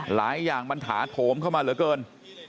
หลายอย่างมันถาโถมเข้ามาเหลือเกิน